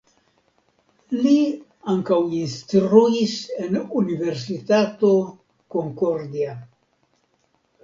Li ankaŭ instruis en Universitato Concordia.